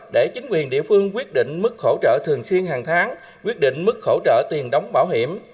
để chính quyền địa phương quyết định mức hỗ trợ thường xuyên hàng tháng quyết định mức hỗ trợ tiền đóng bảo hiểm